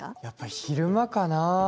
やっぱり昼間かな？